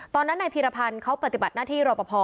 ตอนนั้นนายพีรพันธ์เขาปฏิบัติหน้าที่รอปภ